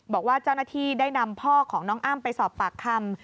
บอกว่าเจ้าหน้าที่ได้นำพ่อของน้องอ้ำไปสอบปากคำ